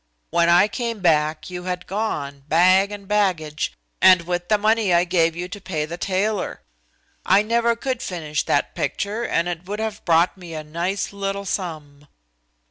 When I came back you had gone, bag and baggage, and with, the money I gave you to pay the tailor. I never could finish that picture, and it would have brought me a nice little sum."